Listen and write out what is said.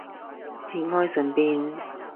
節哀順變